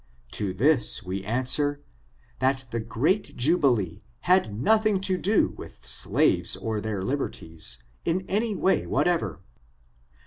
To this wc answer, that the great jubilee had nothing to do with slaves or their liberties, in any way whatever.